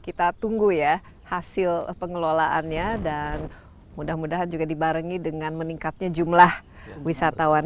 kita tunggu ya hasil pengelolaannya dan mudah mudahan juga dibarengi dengan meningkatnya jumlah wisatawan